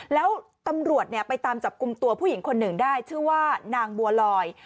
แล้วตำรวจไปตามจับกลุ่มตัวผู้หญิงคนหนึ่งได้ชื่อว่านางบัวลอย